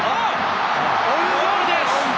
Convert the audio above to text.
オウンゴールです！